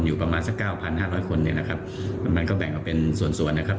อยู่ประมาณสักเก้าพันห้าร้อยคนเนี่ยนะครับมันก็แบ่งออกเป็นส่วนส่วนนะครับ